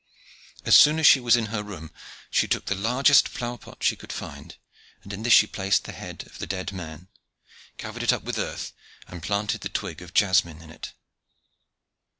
As soon as she was in her room, she took the largest flower pot she could find, and in this she placed the head of the dead man, covered it up with earth, and planted the twig of jasmine in it.